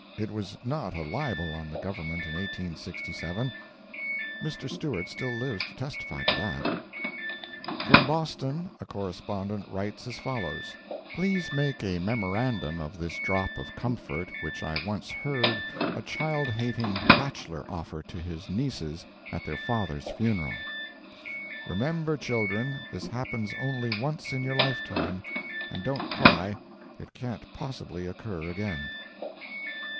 It was not a libel on the Government in 1867. Mr. Stewart still lives to testify to that. From Boston a correspondent writes as follows: "Please make a memorandum of this drop of comfort which I once heard a child hating bachelor offer to his nieces at their FATHER's funeral: 'Remember, children, this happens only once in your lifetime, and don't cry—it can't possibly occur again!'"